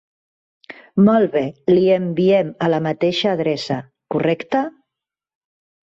Molt bé, li enviem a la mateixa adreça, correcte?